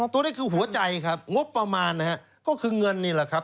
ตัวนี้คือหัวใจครับงบประมาณนะฮะก็คือเงินนี่แหละครับ